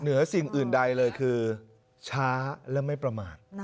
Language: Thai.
เหนือสิ่งอื่นใดเลยคือช้าและไม่ประมาท